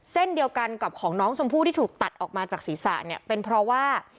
เส้นเดียวกันกับของน้องชมพู่ที่ถูกตัดออกมาจากศีรษะเนี่ยเป็นเพราะว่า